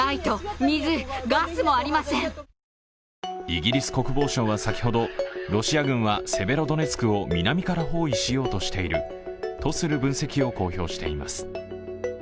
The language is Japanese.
イギリス国防省は先ほど、ロシア軍はセベロドネツクを南から包囲しようとしているとする分析を公表しています。